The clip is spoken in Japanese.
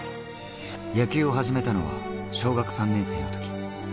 野球を始めたのは小学３年生の時。